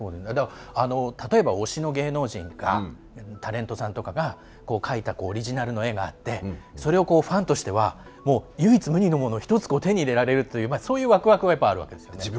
例えば推しの芸能人がタレントさんとかが描いたオリジナルの絵があってそれをファンとして唯一無二のもの１つ手に入れられるというワクワク感があるわけですね。